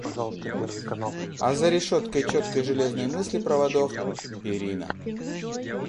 А за решеткой четкой железной мысли проводов — перина.